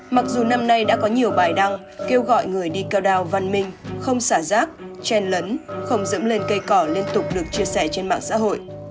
mặc dù năm nay đã có nhiều bài đăng kêu gọi người đi cao đao văn minh không xả rác chen lấn không dẫm lên cây cỏ liên tục được chia sẻ trên mạng xã hội